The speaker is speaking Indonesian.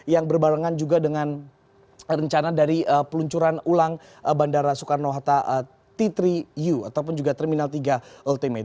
yang berbarengan juga dengan rencana dari peluncuran ulang bandara soekarno hatta t tiga u ataupun juga terminal tiga ultimate